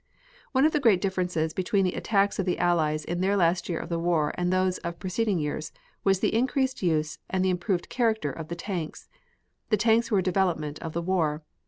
One of the great differences between the attacks of the Allies in their last year of the war and those of preceding years, was the increased use and the improved character of the tanks. The tanks were a development of the war.